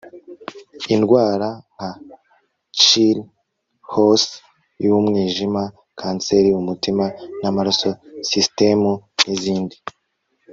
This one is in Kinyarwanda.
Indwara nka cirrhose yumwijima kanseri umutima namaraso sisitemu nizindi